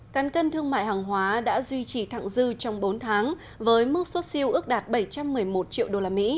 căn cân thương mại hàng hóa đã duy trì thẳng dư trong bốn tháng với mức xuất siêu ước đạt bảy trăm một mươi một triệu usd